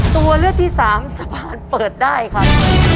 ตัวเลือกที่สามสะพานเปิดได้ครับ